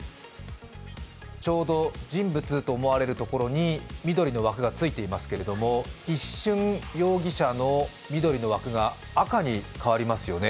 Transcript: ちょうど人物と思われるところに緑の枠がついていますけど、一瞬、容疑者の緑の枠が赤に変わりますよね。